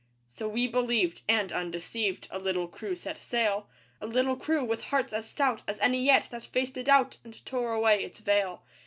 So we believed. And, undeceived, A little crew set sail; A little crew with hearts as stout As any yet that faced a doubt And tore away its veil.